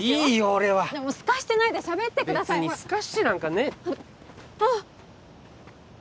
俺はスカしてないでしゃべってくださいほら別にスカしてなんかねえあっ！